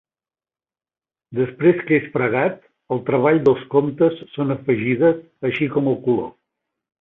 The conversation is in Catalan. Després que és fregat, el treball dels comptes són afegides, així com el color.